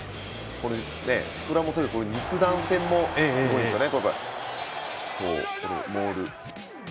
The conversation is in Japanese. スクラム、肉弾戦もすごいですよね。